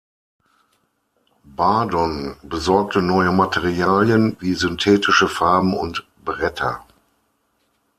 Bardon besorgte neue Materialien wie synthetische Farben und Bretter.